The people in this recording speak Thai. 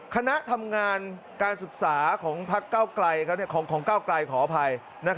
คณะทำงานการศึกษาของก้าวกลายขออภัย